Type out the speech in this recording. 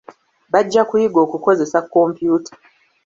Bajja kuyiga okukozesa kompyuta.